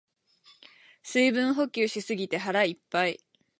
水分補給しすぎて腹いっぱい